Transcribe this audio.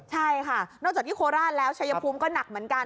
ใช่ค่ะนอกจากที่โคราชแล้วชายภูมิก็หนักเหมือนกัน